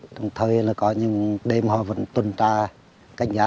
đồng thời có những đêm họ vẫn tuần tra